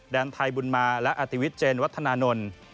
ไทยบุญมาและอติวิทยเจนวัฒนานนท์